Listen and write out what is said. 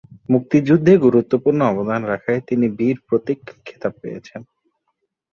মুক্তিযুদ্ধে গুরুত্বপূর্ণ অবদান রাখায় তিনি বীর প্রতীক খেতাব পেয়েছেন।